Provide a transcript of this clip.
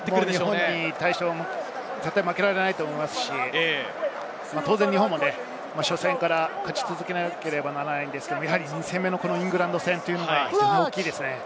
日本に対しては絶対負けられないと思いますし、当然、日本も初戦から勝ち続けなければならないのですが、２戦目のイングランド戦は大きいですね。